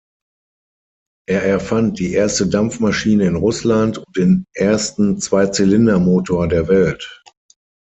Er erfand die erste Dampfmaschine in Russland und den ersten Zwei-Zylinder-Motor der Welt.